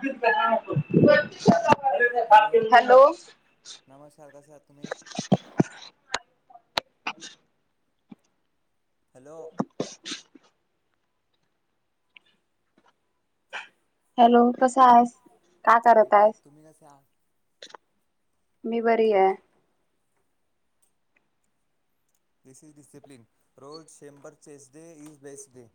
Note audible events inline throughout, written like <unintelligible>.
<inaudible> hello hello hello कसां आहेस का करत आहेस तुम्ही कसे आहात मी बरी आहे this is discipline role chamber chest day is best day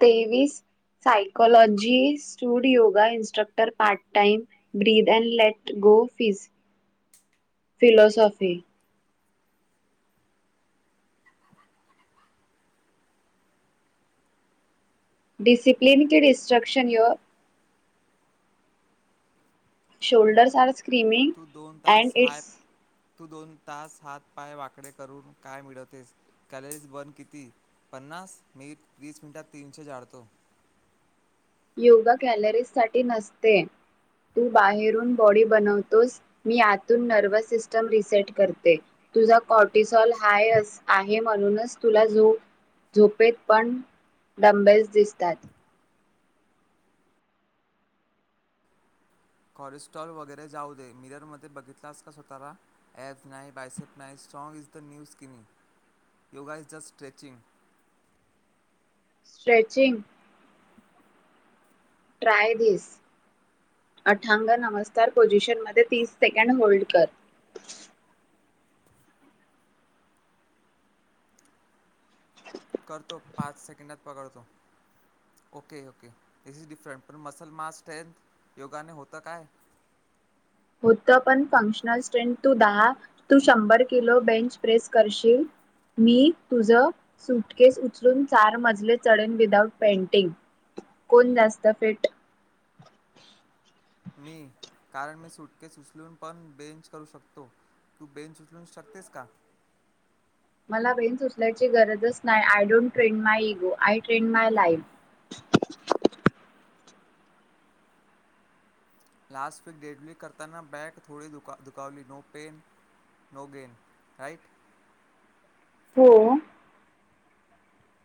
तेवीस psychology stood yoga instructor part time breathe and let go fizz philosophy discipline kid instruction shoulder सार तू दोन तास हाय तू दोन तास हात पाय वाकडे करून काय मिळवतेस कॅलेज बंद किती पन्नास मी वीस मिनिटात तीनशे जाडतो योगा कॅलरीज साठी नसते तू बाहेरून बॉडी बनवतोस मी आतून नर्वस सिस्टम रिसेट करते तुझा कॉर्टिसॉल हाय आहे म्हणूनच तुला जो झोपेत पण डंबेस दिसतात कॉरेस्ट्रॉल वगैरे जाऊ दे मिरर मध्ये बघितलास का स्वतःला ॲप ना नाही बायसप ना नाही स्ट्रॉग इज द न्यूज किनी yoga is just stretching stretching try the this Ashtanga नमस्तार पोझिशनमध्ये तीस सेकंड होल्ड कर करतो पाच सेकंडात पकडतो okay okay it is different पण मसल मा स्ट्रेंथ योगाने होतं काय होत पण फंक्शनल स्ट्रेंथ तू दहा तू शंभर किलो बेंच प्रेस करशील मी तुझ सुटकेस उचलून चार मजले चढन विदाउट पेंटिंग कोण जास्त फेट मी कारण मी सुटके सुचलून पण बेंज करू शकतो तू बेंच ऊ चलू शकतेस का मला बेन सुचल्याची गरजच नाही I don't trend my ego I trend my life last week deadly करताना बॅग थोडी दुका दधुकावली no pain no gain right हो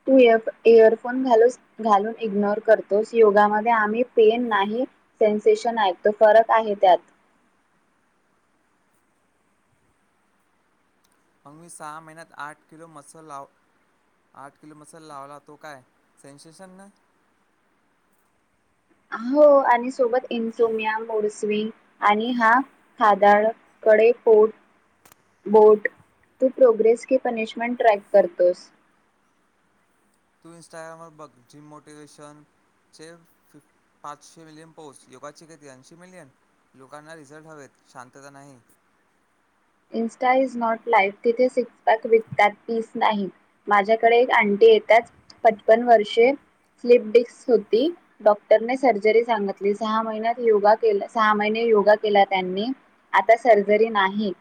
तू एफ इयरफोन घालूस घालून इग्नोर करतोस योगामध्ये आम्ही पेन नाही सेन्सेशन आहे तो फरक आहे त्यात मग म सहा महिन्यात आठ किलो मस लाव आठ किलो मसल लावला तो काय सेन्सेशन ना आणि सोबत इन्सोमिया मोर्स्वीन आणि हा खदळकडे पोट बोट तू प्रोग्रेस की पनिशमेंट ट्रॅक करतोस तू इं्स्टाग्रामवर बघ जिम मोटिवेशन चे फ पाचशे मिलियन पोस्ट योगाची केती ऐंशी मिलियन लोकांना रिझल्ट हवेत शांतता नाही इंस्टा इज नॉट लाईफ तिथे सिक विकतात पीस नाही माझ्याकडे एक आण येताच पचपन वर्षे स्लिपडिस् होती डॉक्टरने सर्जरी सांगितली सहा महिन्यात योगा के सहा महिने योगा केला त्यांनी आता सर्जरी नाही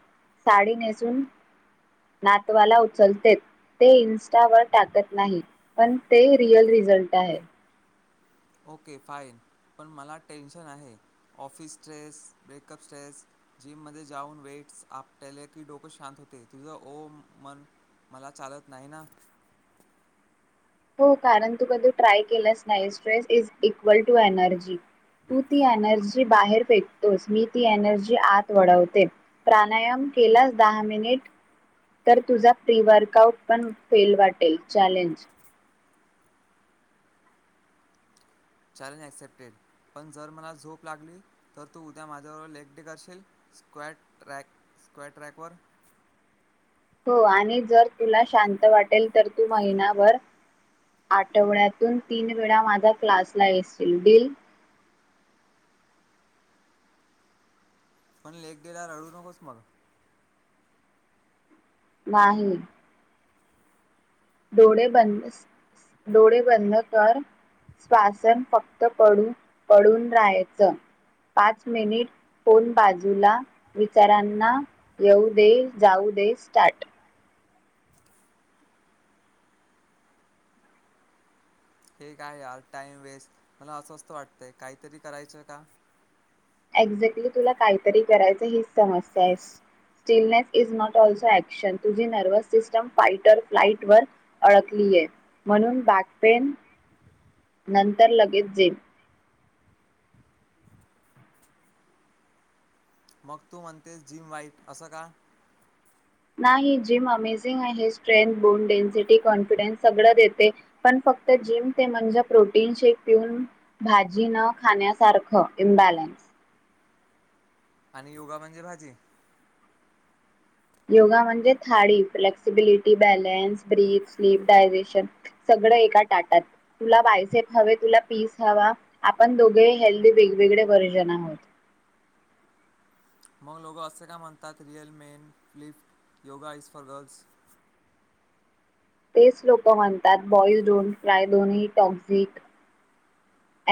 साडी नेसून नातवाला उचलते ते इन्स्टावरर टाकत नाही पण ते रिअल रिझल्ट आहे ओके फाईन पण मला टेन्शन आहे office stress breakup stress gym मध्ये जाऊन वेटस आपटाले की डोक शांत होते तुझं ओ मन मला चालत नाही ना हो कारण तू कधी ट्राय केलास नाही stress is equal to energy तू ती एनर्जी बाहेर फेकतोस मी ती एनर्जी आत वढवते प्राणायाम केलास दहा मिनिट तर तुझा ती वर्क आउट पण फेल वाटेल चॅलेंज चॅलेंजॲक्सेप्टेड पण जर मला झोप लागली तर तू उद्या माझ्यावररोबर लेगडीडे करशील स्क्वॅड ट्रॅक <unintelligible> ट्रॅक वर हो आणि जर तुला शांत वाटेल तर तू महिनाभर आठवड्यातून तीन वेळा माझ्या क्लासला येसील डील पण लेक गयला रडू नकोस मग नाही डोळे बंद डोळे बंद कर स्वासन फक्त पड पडून राहायचं पाच मिनिट फोन बाजूला विचारांना येऊ दे जाऊ दे स्टार्ट हे काय यार टाइम वेस्ट मला अस्वस्थ वाटतंय काहीतरी करायचं का एक्झॅक्टली तुला काहीतरी करायचं हीच समस्या आहेस stillness is not also action तुझी नर्व्हस सिस्टम फाटर फ्लाइट वर अडकलीय म्हणून बॅकपेन नंतर लगेच जेल मग तू म्हणतेस जिम वाईट असं का नाही जिम अमेझिंग आहे स्ट्रेंथ बोन डेन्सिटी कॉन्फिडन्स सगळं देते पण फक्त जिम ते म्हणजे प्रोटीन शेक पिऊन भाजी न खाण्यासारखं इमबॅलन्स आणि योगा म्हणजे भाजी योगा म्हणजे थाळी flexibility balance breath sleep digestion सगळं एका टाटात तुला बायसेप हवे तुला पीस हवा आपण दोघे हेल्दी वेगवेगळे वर्जन आहोत मग लोकं असे काय म्हणतात रिअल मेन फ्लिफ योगा आईज फॉर गर्ल्स तेच लोक म्हणतात बॉई डोन फाय दोनही टॉक्झिट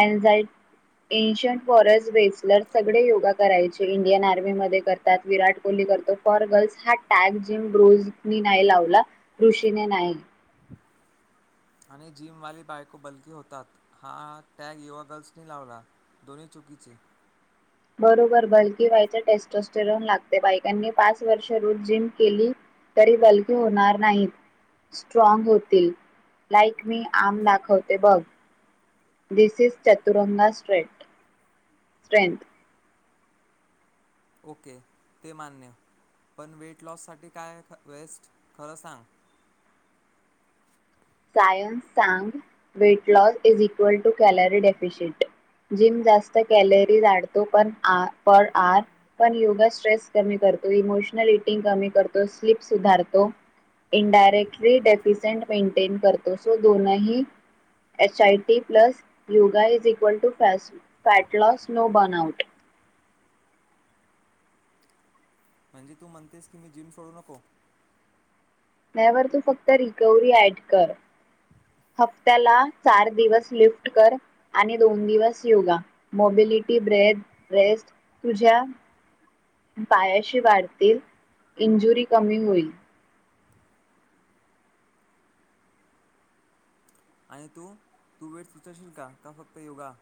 एनजाय एनशयंट वॉर बेसलर सगळे योगा करायचे इंडियन आर्मीमध्ये करतात विराट कोहली करतो फॉर गर्ल्स हा टॅग जिम ब्रोझ मी नाइ लावला ऋषीेने नाइ आणि जिमवाली बायको बलकी होतात हा टॅग युवा गर्ल्सनी लावला दोनी चुकीचे बरोबर बलकी वयचा टेस्टोस्टेरन लागते बायकांनी पाच वर्ष रूट जिम केली तरी बलकी हूणार नाहीत स्ट्रॉंग होतील लाईक मी आम दाखवते बघ this is chaturanga straight strength okay ते मान्य पण वेट लॉससाठी काय वेस्ट खरं सांग सायन्स सांग weight loss is equal to calorie deficient gym जास्त कॅलरीजढतो पण पर आर पण योगा स्ट्रेस कमी करतो इमोशनल इटिंग कमी करतो स्लीप सुधारतो इंडायरेक्टली डेफिसंट मेंटेन करतो सो दोनही H I T plus yoga is equal to फॅ फॅटलॉस नो बर्नआउट म्हणजे तू म्हणतेस की मी जिम सोडू नको त्यावर तू फक्त रिकवर्ही ऍड कर हफ्त्याला चार दिवस लिफ्ट कर आणि दोन दिवस योगा मोबिलिटी ब्र रेस्ट तुझ्या पायाशी वाढतील इन्ज्युरी कमी होईल आणि तू तू वेट सुचरशील का का फक्त योगा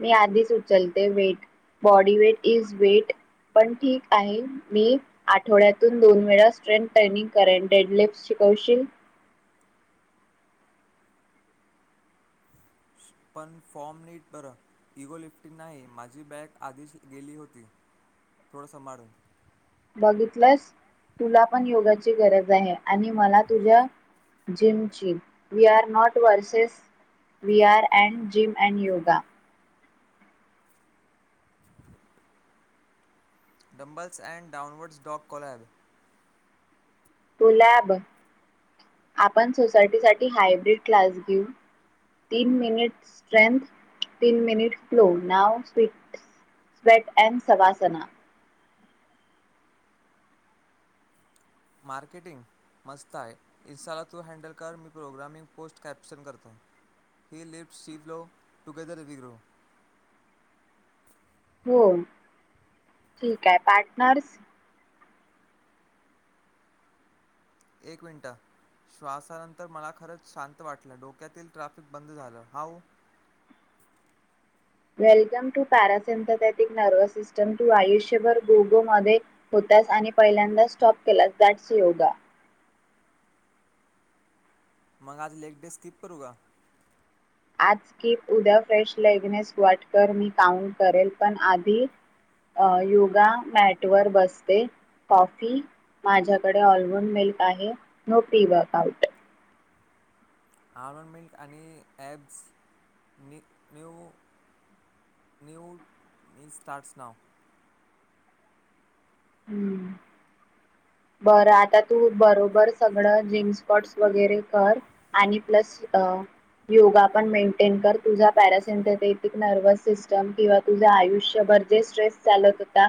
मी आधीच उचलते weight body weight is weight पण ठीक आहे मी आठवड्यातून दोन वेळा स्ट्रेंथ ट्रेनिंग करेन डेडलिफ्ट शिकवशील पण फॉर्म नीट बरं इगो लिफ्टी नाही माझी बॅग आधीच गेली होती थोडसं मळून बघितलंस तुला पण योगाची गरज आहे आणि मला तुझ्या जिमचीन we are not versus we are and gym and yoga doubles and downwards dog collab lab आपण सोसायटी साठी हायब्र्रीड क्लास घेऊ तीन मिनिट स्ट्रेथ तीन मिनिट फ्लो नाव स् स्वेट अँ सवासना मार्केटिंग मस्त आहे इसाला तू हॅडल कर मी प्रोग्रामिंग पोस्ट कॅप्शन करतो हेि लिपस शिप लो टुगेदर एफ कर्रो हो ठीक आहे पार्टनर्स एक मिनटं श्वासानंतर मला खरंच शांत वाटलं डोक्यातील ट्रॅफिक बंद झालं हाव welcome to parasympathetic nervous system to आयुष्यभर गोगो मध्ये होतास आणि पहिल्यांदाच स्टॉप केलास दॅटस योगा मग आज लेगडडे स्किप करूा आज की उद्या फ्रेश लेगनेस वाटकर मी काउंट करेल पण आधी अ योगा मॅटवर बसते कॉफी माझ्याकडे ऑलमंड मिल्क आहे नो प्री वर्क आउट आनमेंट आणि ॲब्स न न्यू न्यू मी स्टार्स नाव हम्म बरं आता तू बरोबर सगळं जिंसपॉट्स वगैरे कर आणि प्लस योगा पण मेंटेन कर तुझा परािं नर्व्हस सिस्टम किंवा तुझ्या आयुष्यभर जे स्ट्रेस चालत होता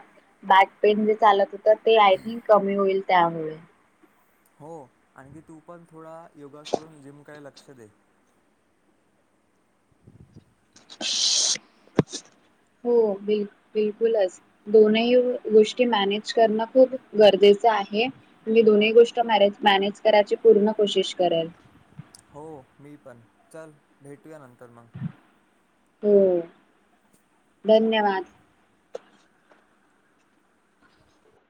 बॅक पेन जे चालत होत ते आय थिंक कमी होईल त्यामुळे हो आणखी तू पण थोडा योगा सोडून जिमकडे लक्ष दे हो बिल बिलकुलच दोनही गोष्टी मॅनेज करणं खूप गरजेचं आहे तुी दोन्ही गोष्ट मॅज मॅनेज करायची पूर्ण कोशिश करेल हो मी पण चल भेटूया नंतर मग हो धन्यवाद